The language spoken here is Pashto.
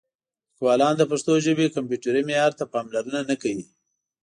لیکوالان د پښتو ژبې کمپیوټري معیار ته پاملرنه نه کوي.